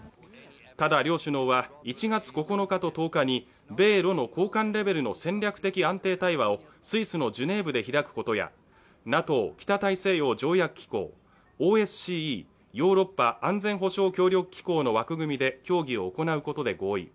ただ両首脳は、１月９日と１０日に米の高官レベルの戦略的安定対話をスイスのジュネーブで開くことや、ＮＡＴＯ＝北大西洋条約機構、ＯＳＣＥ＝ヨーロッパ安保協力機構の枠組みで協議を行うことで合意。